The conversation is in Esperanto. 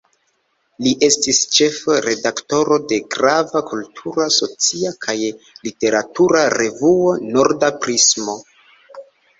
Li estis ĉefo-redaktoro de grava kultura, socia kaj literatura revuo "Norda Prismo".